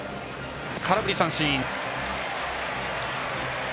空振り三振。